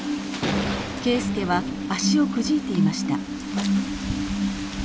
圭輔は足をくじいていました。